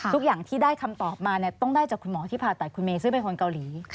ทุกอย่างที่ได้คำตอบมาต้องได้จากคุณหมอที่ผ่าตัดคุณเมย์ซึ่งเป็นคนเกาหลี